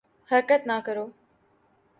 حرکت نہ کرو